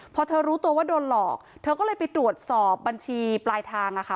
พอเธอรู้ตัวว่าโดนหลอกเธอก็เลยไปตรวจสอบบัญชีปลายทางอะค่ะ